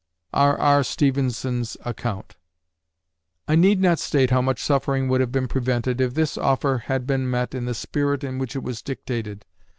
R. R. Stevenson's Account I need not state how much suffering would have been prevented if this offer had been met in the spirit in which it was dictated.